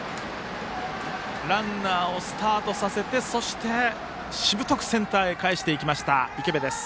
ランナーをスタートさせてそして、しぶとくセンターへ返していきました池邉です。